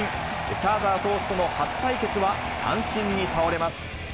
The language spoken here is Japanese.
シャーザー投手との初対決は三振に倒れます。